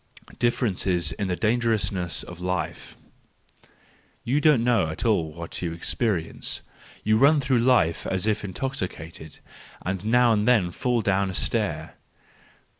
Differences in the Dangerousness of Life .—You don't know at all what you experience; you run through life as if intoxicated, and now and then fall down a stair.